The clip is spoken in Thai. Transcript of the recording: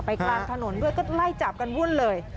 กลางถนนด้วยก็ไล่จับกันวุ่นเลย